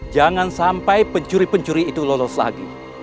jangan sampai pencuri pencuri itu lolos lagi